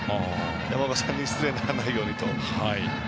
山岡さんに失礼にならないようにと。